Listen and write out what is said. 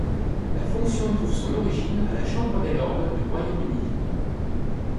La fonction trouve son origine à la Chambre des lords du Royaume-Uni.